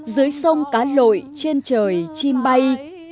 dưới sông cá lội trên trời chim bay